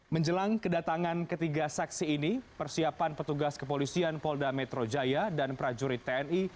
menjelang kedatangan ketiga saksi ini persiapan petugas kepolisian polda metro jaya dan prajurit tni